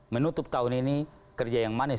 menutup tahun ini kerja yang manis